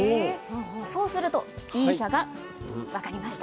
そうするとＢ社が「分かりました。